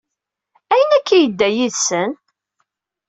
Ayen akka i yedda yid-sen?